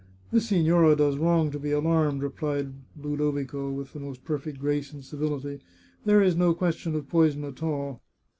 " The signora does wrong to be alarmed," replied Ludo vico, with the most perfect gfrace and civility, " There is no question of poison at all.